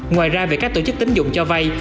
ngoài ra việc các tổ chức tính dụng cho vay